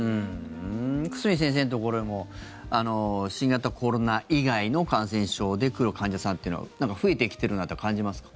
久住先生のところにも新型コロナ以外の感染症で来る患者さんというのは増えてきてるなって感じますか。